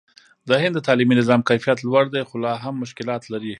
د هند د تعلیمي نظام کیفیت لوړ دی، خو لا هم مشکلات لري.